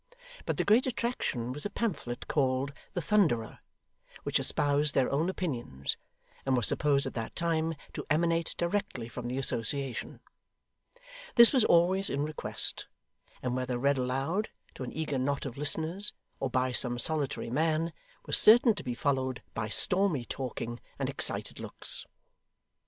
But the great attraction was a pamphlet called The Thunderer, which espoused their own opinions, and was supposed at that time to emanate directly from the Association. This was always in request; and whether read aloud, to an eager knot of listeners, or by some solitary man, was certain to be followed by stormy talking and excited looks.